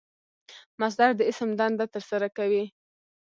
مصدر د اسم دنده ترسره کوي.